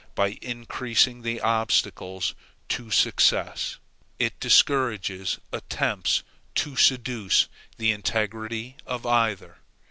By increasing the obstacles to success, it discourages attempts to seduce the integrity of either.